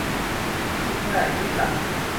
คิดหน้าคิดหลัง